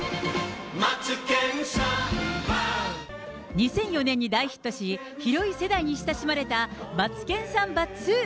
２００４年に大ヒットし、広い世代に親しまれたマツケンサンバＩＩ。